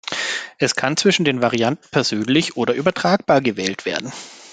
Es kann zwischen den Varianten persönlich oder übertragbar gewählt werden.